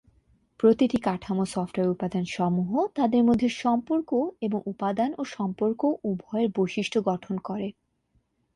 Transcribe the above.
প্রতিটি কাঠামো সফটওয়্যার উপাদান সমূহ, তাদের মধ্যে সম্পর্ক, এবং উপাদান ও সম্পর্ক উভয়ের বৈশিষ্ট্য গঠন করে।